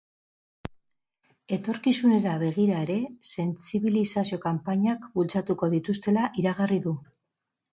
Etorkizunera begira ere sentsibilizazio kanpainak bultzatuko dituztela iragarri du.